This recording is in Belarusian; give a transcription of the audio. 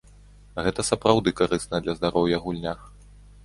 Гэта сапраўды карысная для здароўя гульня.